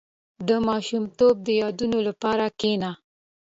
• د ماشومتوب د یادونو لپاره کښېنه.